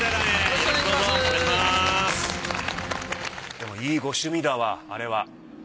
でもいいご趣味だわあれは。